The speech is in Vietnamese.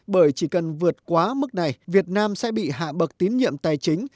bởi chỉ cần vượt quá mức này việt nam sẽ bị hạ bậc tín nhiệm tài chính